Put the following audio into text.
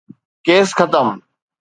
Case ختم.